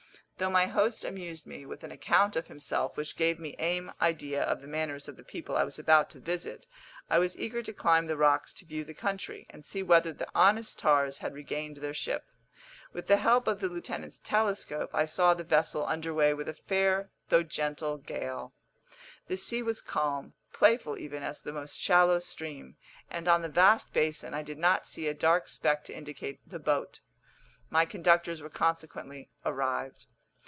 Though my host amused me with an account of himself, which gave me an idea of the manners of the people I was about to visit, I was eager to climb the rocks to view the country, and see whether the honest tars had regained their ship. With the help of the lieutenant's telescope, I saw the vessel under way with a fair though gentle gale. The sea was calm, playful even as the most shallow stream, and on the vast basin I did not see a dark speck to indicate the boat. My conductors were consequently arrived.